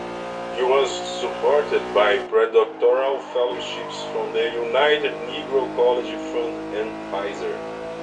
He was supported by predoctoral fellowships from the United Negro College Fund and Pfizer.